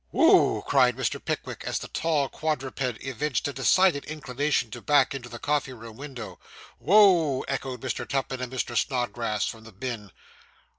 'Wo o!' cried Mr. Pickwick, as the tall quadruped evinced a decided inclination to back into the coffee room window. 'Wo o!' echoed Mr. Tupman and Mr. Snodgrass, from the bin.